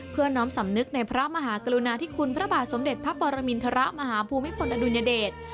น้อมสำนึกในพระมหากรุณาธิคุณพระบาทสมเด็จพระปรมินทรมาฮภูมิพลอดุญเดช